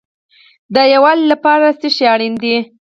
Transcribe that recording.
د یووالي لپاره څه شی اړین دی؟